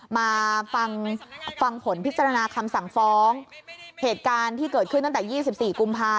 มาฟังฟังผลพิจารณาคำสั่งฟ้องเหตุการณ์ที่เกิดขึ้นตั้งแต่๒๔กุมภา